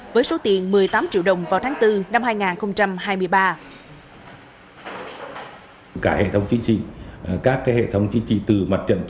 với số tiền một mươi tám triệu đồng vào tháng bốn năm hai nghìn hai mươi ba